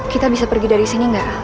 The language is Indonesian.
kita bisa pergi dari sini nggak